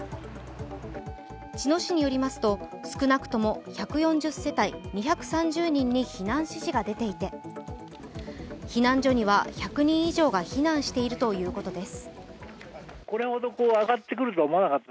茅野市によりますと、少なくとも１４０世帯２３０人に避難指示が出ていて避難所には１００人以上が避難しているということです。